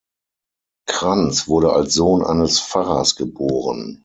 Cranz wurde als Sohn eines Pfarrers geboren.